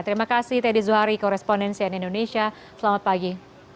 terima kasih teddy zuhari koresponen cnn indonesia selamat pagi